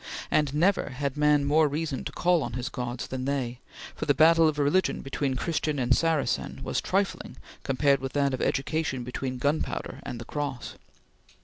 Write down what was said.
and never had man more reason to call on his gods than they, for the battle of religion between Christian and Saracen was trifling compared with that of education between gunpowder and the Cross.